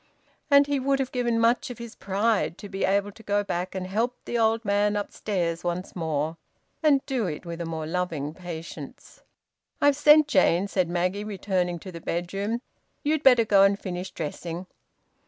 And he would have given much of his pride to be able to go back and help the old man upstairs once more, and do it with a more loving patience. "I've sent Jane," said Maggie, returning to the bedroom. "You'd better go and finish dressing."